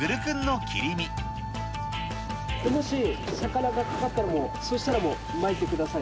もし、魚がかかったら、そうしたらもう、巻いてくださいね。